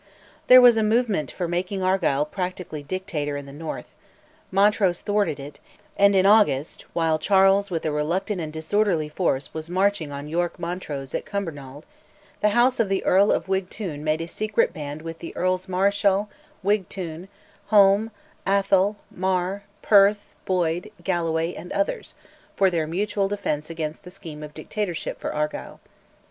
There was a movement for making Argyll practically Dictator in the North; Montrose thwarted it, and in August, while Charles with a reluctant and disorderly force was marching on York Montrose at Cumbernauld, the house of the Earl of Wigtoun made a secret band with the Earls Marischal, Wigtoun, Home, Atholl, Mar, Perth, Boyd, Galloway, and others, for their mutual defence against the scheme of dictatorship for Argyll.